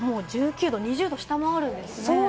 ２０度を下回るんですね。